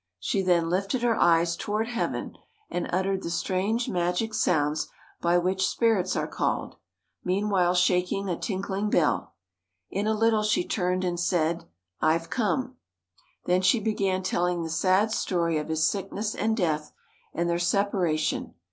She then lifted her eyes toward heaven and uttered the strange magic sounds by which spirits are called, meanwhile shaking a tinkling bell. In a little she turned and said, "I've come." Then she began telling the sad story of his sickness and death and their separation.